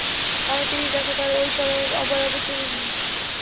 কারণ, তিনি তাঁকে তাঁর ঐ সময়ের অবয়বে চেনেননি।